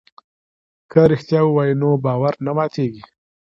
که رښتیا ووایو نو باور نه ماتیږي.